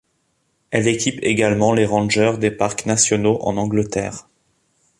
Elle équipe également les Rangers des parcs nationaux en Angleterre.